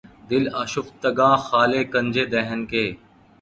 دل آشفتگاں خالِ کنجِ دہن کے